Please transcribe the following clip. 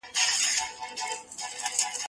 زه بايد شګه پاک کړم؟